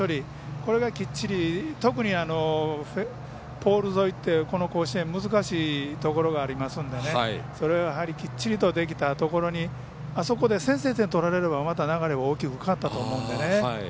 これがきっちり特にポール沿いってこの甲子園難しいところがありますのでそれをきっちりとできたところあそこで、先制点を取られれば流れは大きく変わったと思うのでね。